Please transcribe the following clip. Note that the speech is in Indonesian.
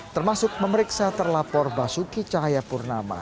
termasuk memeriksa terlapor basuki cahaya purnama